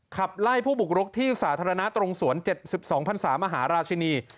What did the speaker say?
ขับไล่ผู้ปลุกรุกที่สาธารณาตรงสวนเจ็ดสิบสองพันธ์ศาสตร์มหาราชินี